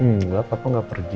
nggak papa nggak pergi